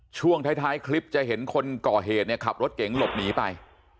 ช่วงท้ายคลิปจะเห็นคนก่อเหตุเนี่ยขับรถเก๋งหลบหนีไป